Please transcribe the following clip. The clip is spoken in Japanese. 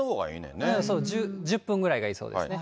そう、１０分ぐらいがいいそうですね。